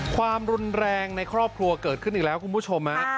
ความรุนแรงในครอบครัวเกิดขึ้นอีกแล้วคุณผู้ชม